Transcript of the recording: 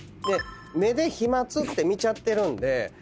目で「飛沫」って見ちゃってるんで。